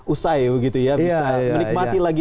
usai bisa menikmati lagi